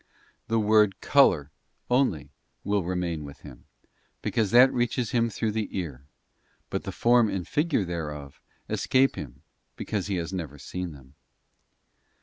The word colour only will remain with him, because that reaches him through the ear, but the form and figure thereof escape him because he has never seen them.